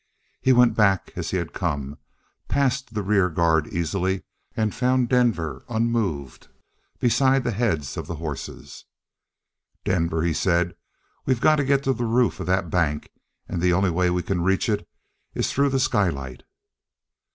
He went back as he had come, passed the rear guard easily, and found Denver unmoved beside the heads Of the horses. "Denver," he said, "we've got to get to the roof of that bank, and the only way we can reach it is through the skylight."